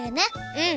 うん。